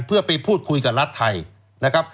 เพื่อไปพูดคุยกับรัฐไทยนะครับ